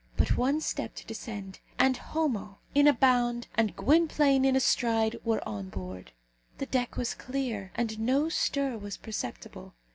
But one step to descend, and Homo in a bound, and Gwynplaine in a stride, were on board. The deck was clear, and no stir was perceptible.